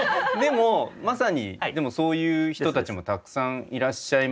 でもまさにそういう人たちもたくさんいらっしゃいましたよね。